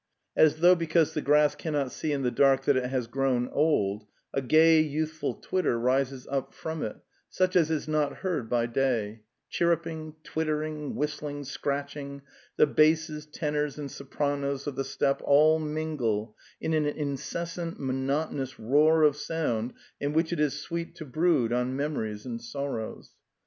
As though because the grass cannot see in the dark that it has grown old, a gay youthful twitter rises up from it, such as is not heard by day; chirruping, twittering, whistling, scratching, the basses, tenors and sopranos of the steppe all mingle in an incessant, monotonous roar of sound in which it is sweet to brood on memories and sorrows.